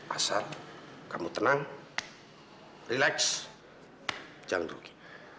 asal kamu tenang relax jangan rugi